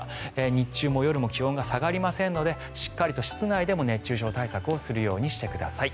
日中も夜も気温が下がりませんのでしっかりと室内でも熱中症対策をするようにしてください。